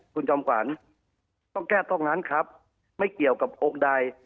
คุณจอมขวัญต้องแก้ตรงนั้นครับไม่เกี่ยวกับองค์ใด